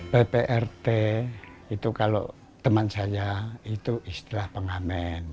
pprt itu kalau teman saya itu istilah pengamen